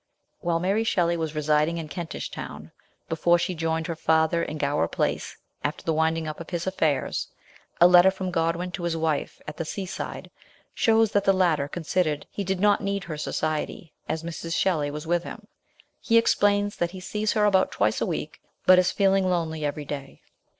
While Mary Shelley was residing in Kentish Town, before she joined her father in Gower Place after the winding up of his affairs, a letter from Godwin to his wife at the sea side shows that the latter considered he did not need her society as Mrs. Shelley was with him; he explains that he sees her about twice a week, but is feeling lonely every day.